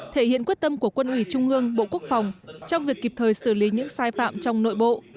thể hiện quyết tâm của quân ủy trung ương bộ quốc phòng trong việc kịp thời xử lý những sai phạm trong nội bộ